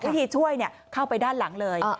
วิธีช่วยเข้าไปด้านหลังเลย